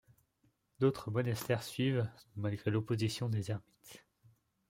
D'autres monastères suivent, malgré l'opposition des ermites.